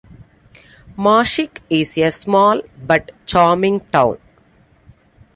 Mashike is a small but charming town.